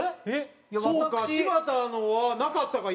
そうか。